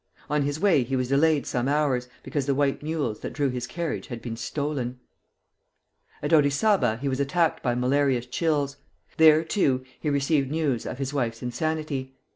On his way he was delayed some hours, because the white mules that drew his carriage had been stolen. At Orizaba he was attacked by malarious chills. There, too, he received news of his wife's insanity.